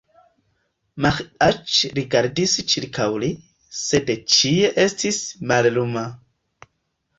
Maĥiac rigardis ĉirkaŭ li, sed ĉie estis malluma.